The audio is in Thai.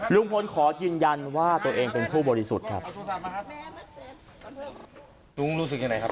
ลุงพลขอยืนยันว่าตัวเองเป็นผู้บริสุทธิ์ครับ